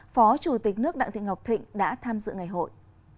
phó chủ tịch nước đặng thị ngọc thịnh đã tham dự ngày hội